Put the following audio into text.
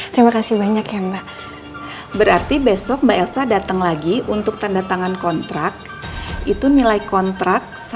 terima kasih banyak ya mbak berarti besok mbak elsa datang lagi untuk tanda tangan kontrak itu nilai kontrak